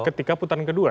ketika putaran kedua